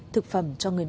thực phẩm cho người mẹ